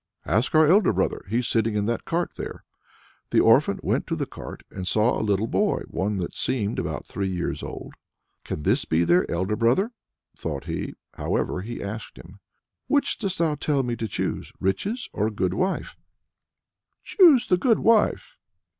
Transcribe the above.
"Ask our elder brother; he's sitting in that cart there." The orphan went to the cart and saw a little boy one that seemed about three years old. "Can this be their elder brother?" thought he however he asked him: "Which dost thou tell me to choose riches, or a good wife?" "Choose the good wife."